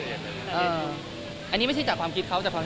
ครับครับครับครับครับครับครับครับครับครับครับครับครับครับ